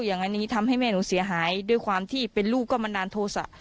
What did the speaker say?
อย่างนี้ทำให้แม่หนูเสียหายด้วยความที่เป็นลูกก็บันดาลโทษะ